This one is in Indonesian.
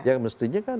ya mestinya kan